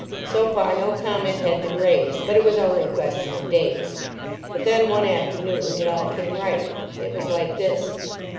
So far no comment had been raised. But it was only a question of days. But then one afternoon it all came right. It was like this.